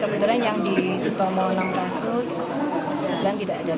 kebetulan yang di sutomo enam kasus